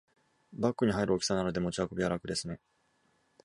バッグに入る大きさなので持ち運びは楽ですね